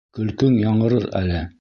Көлкөң яңырыр әле!